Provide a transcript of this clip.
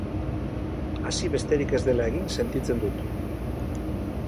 Hasi besterik ez dela egin sentitzen dut!